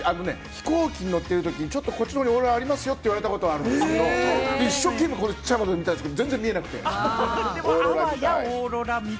飛行機乗ってるときにちょっとこっちの方にオーロラ、ありますよ！って言われたことがあるんですけれども、ちっちゃい窓で一生懸命見たんですけれども、見られなかった。